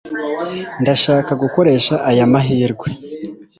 Ndashaka gukoresha aya mahirwe.